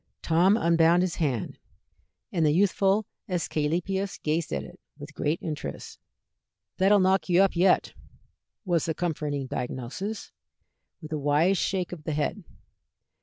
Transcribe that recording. Tom unbound his hand, and the youthful Æsculapius gazed at it with great interest. "That'll knock you up yet," was the comforting diagnosis, with a wise shake of the head.